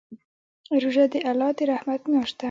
روژه د الله د رحمت میاشت ده.